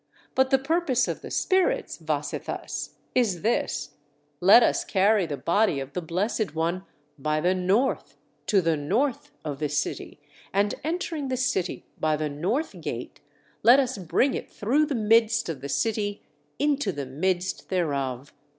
But the purpose of the spirits, Vasetthas, is this: 'Let us carry the body of the Blessed One by the north to the north of the city, and entering the city by the north gate, let us bring it through the midst of the city into the midst thereof.